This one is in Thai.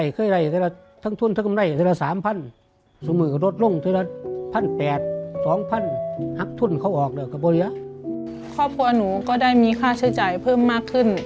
ครอบครัวหนูก็ได้มีค่าใช้จ่ายเพิ่มมากขึ้น